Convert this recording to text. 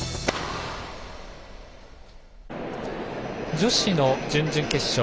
女子の準々決勝